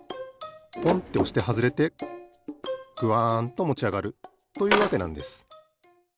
ポンっておしてはずれてグワンともちあがるというわけなんです。